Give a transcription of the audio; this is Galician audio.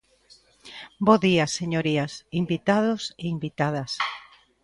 Bo día, señorías, invitados e invitadas.